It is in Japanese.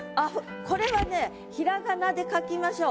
これはね平仮名で書きましょう。